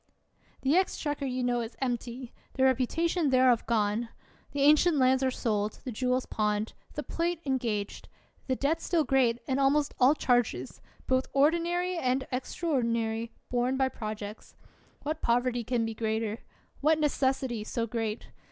The exchequer you know is empty, the reputa tion thereof gone! The ancient lands are sold, the jewels pawned, the plate engaged, the debt 46 ELIOT still great, and almost all charges, both ordinary and extraordinary, borne by projects! What poverty can be greater ? What necessity so great